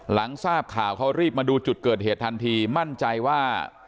หลังทราบข่าวเขารีบมาดูจุดเกิดเหตุทันทีมั่นใจว่า